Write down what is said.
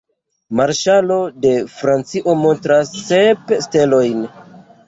Marŝalo de Francio montras sep stelojn.